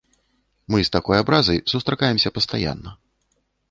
Мы з такой абразай сустракаемся пастаянна.